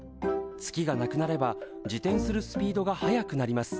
月がなくなれば自転するスピードが速くなります。